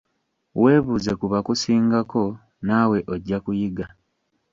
Weebuuze ku bakusingako naawe ojja kuyiga.